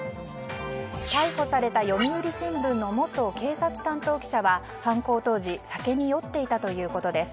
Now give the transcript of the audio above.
逮捕された読売新聞の元警察担当記者は犯行当時酒に酔っていたということです。